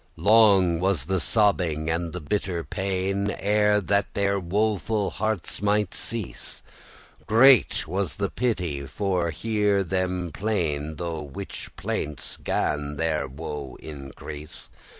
Long was the sobbing and the bitter pain, Ere that their woeful heartes mighte cease; Great was the pity for to hear them plain,* *lament Through whiche plaintes gan their woe increase.